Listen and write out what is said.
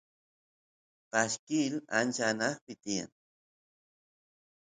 pashkil ancha anaqpi tiyan